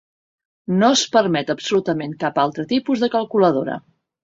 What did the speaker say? No es permet absolutament cap altre tipus de calculadora.